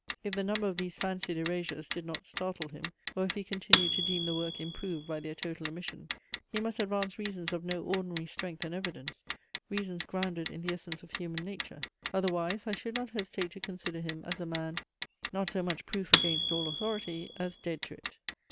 If the number of these fancied erasures did not startle him; or if he continued to deem the work improved by their total omission; he must advance reasons of no ordinary strength and evidence, reasons grounded in the essence of human nature. Otherwise, I should not hesitate to consider him as a man not so much proof against all authority, as dead to it.